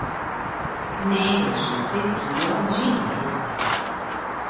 Ne, ĝuste tio ĝi ne estas!